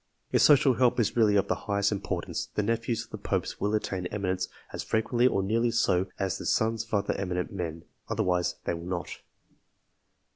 If social help is really of the highest importance, the nephews of the Popes will attain eminence as frequently, or nearly so, as the sons of other eminent men ; otherwise, they will not.